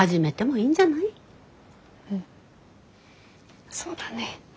うんそうだね。